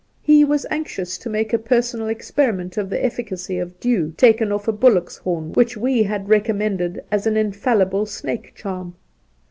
He was anxious to make a per sonal experiment of the efficacy of dew taken off a buUock's horn, which we had recommended as an infallible snake charm.